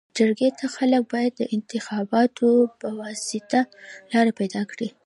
جرګي ته خلک باید د انتخاباتو پواسطه لار پيداکړي.